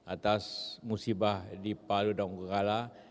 atas musibah di palu dan gugala